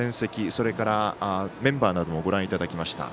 それから、メンバーなどもご覧いただきました。